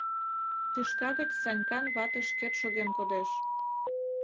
Тӱшка гыч Санькан вате шкет шоген кодеш.